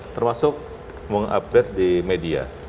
termasuk mengupdate di media